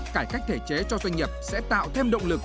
cải cách thể chế cho doanh nghiệp sẽ tạo thêm động lực